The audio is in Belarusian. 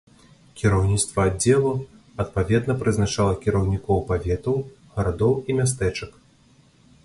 Кіраўніцтва аддзелу адпаведна прызначала кіраўнікоў паветаў, гарадоў і мястэчак.